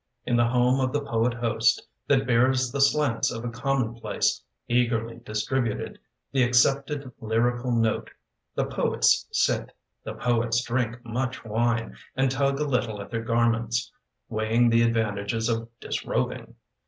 In the home of the poet host That bears the slants of a commonplace, Eagerly distributed — The accepted lyrical note — The poets sit. The poets drink much wine And tug a little at their garments, Weighing the advantages of disrobing.